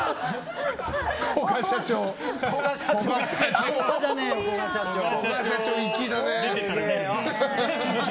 古閑社長、粋だね。